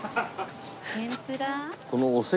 天ぷら？